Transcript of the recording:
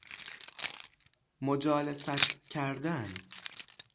مجالست کردن